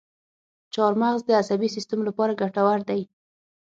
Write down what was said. چارمغز د عصبي سیستم لپاره ګټور دی.